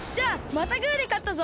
またグーでかったぞ！